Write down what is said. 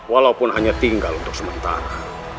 walaupun hanya tinggal untuk sementara